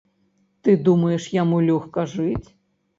Ты думаеш, яму лёгка жыць?